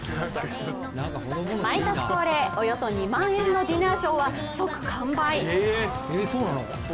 毎年恒例、およそ２万円のディナーショーは即完売。